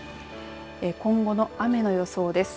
今後の雨の予想です。